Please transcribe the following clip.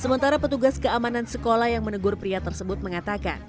sementara petugas keamanan sekolah yang menegur pria tersebut mengatakan